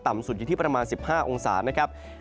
สุดอยู่ที่ประมาณ๑๕องศานะครับ